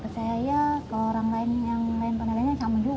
saya ke orang lain yang lain panggilannya sama juga